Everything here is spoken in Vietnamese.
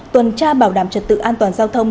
tuần tra bảo đảm trật tự an toàn giao thông